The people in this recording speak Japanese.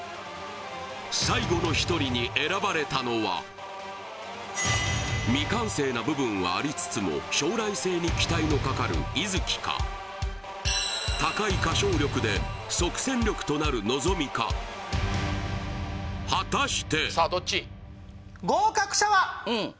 最後の１人に選ばれたのは未完成な部分はありつつも将来性に期待のかかるイズキか高い歌唱力で即戦力となるノゾミか果たして？